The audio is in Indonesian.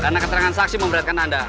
karena keterangan saksi memberatkan anda